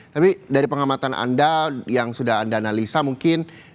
tapi dari pengamatan anda yang sudah anda analisa mungkin